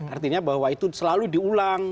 artinya bahwa itu selalu diulang